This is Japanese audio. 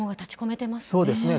そうですね。